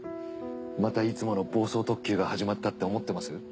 またいつもの暴走特急が始まったって思ってます？